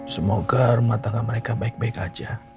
semoga rumah tangga mereka baik baik aja